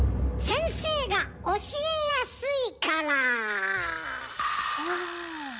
先生が教えやすい。